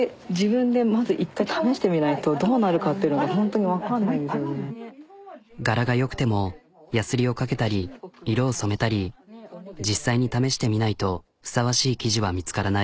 もう柄が良くてもやすりをかけたり色を染めたり実際に試してみないとふさわしい生地は見つからない。